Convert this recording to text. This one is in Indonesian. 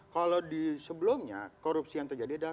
kalau di sebelumnya korupsi yang terjadi